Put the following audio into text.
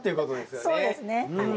そうですねはい。